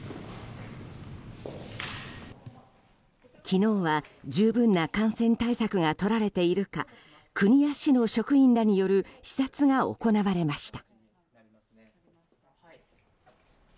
昨日は十分な感染対策がとられているか国や市の職員らによる視察が行われました。